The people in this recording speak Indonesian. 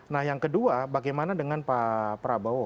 nah yang kedua bagaimana dengan pak prabowo